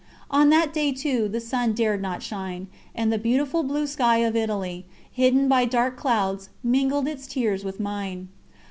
On that day, too, the sun dared not shine, and the beautiful blue sky of Italy, hidden by dark clouds, mingled its tears with mine.